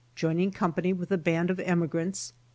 — JOINING COMPANY WITH A BAND OF EMIGRANTS.